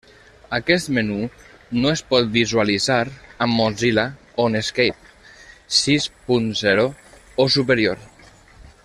Aquest menú no es pot visualitzar amb Mozilla o Netscape sis punt zero o superior.